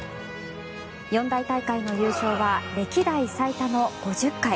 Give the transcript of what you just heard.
四大大会の優勝は歴代最多の５０回。